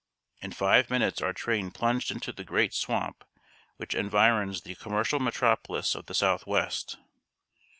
In five minutes our train plunged into the great swamp which environs the commercial metropolis of the Southwest.